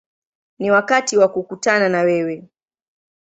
Ni wakati wa kukutana na wewe”.